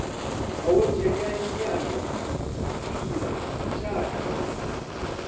ئەوە جێگای نیازە، پیرە، چاکە